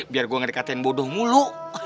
biar gue gak dikatain bodoh mulu